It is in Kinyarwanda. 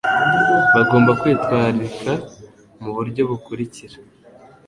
bagomba kwitwarika mu buryo bukurikira